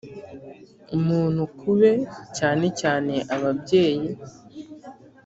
umuntu ku be (cyane cyane ababyeyi)